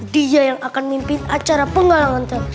dia yang akan mimpin acara pengamanan